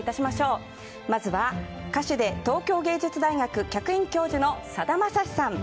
まずは歌手で東京藝術大学客員教授のさだまさしさん。